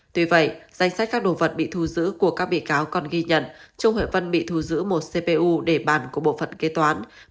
tuy vậy danh sách các đồ vật bị thu giữ của các bị cáo còn ghi nhận trung hội vân bị thu giữ một cpu để bàn của bộ phận kế toán